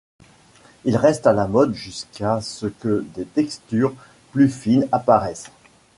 Ils restent à la mode jusqu'à ce que des textures plus fines apparaissent.